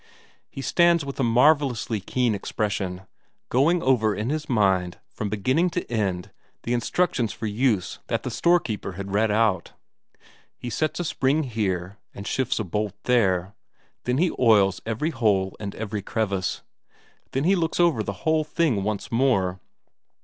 He stands with a marvellously keen expression, going over in his mind from beginning to end the instructions for use that the storekeeper had read out; he sets a spring here, and shifts a bolt there, then he oils every hole and every crevice, then he looks over the whole thing once more.